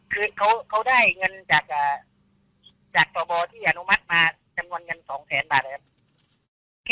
คือเค้าได้เงินจาก